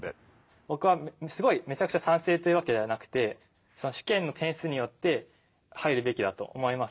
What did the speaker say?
僕はすごいめちゃくちゃ賛成というわけではなくてその試験の点数によって入るべきだと思います。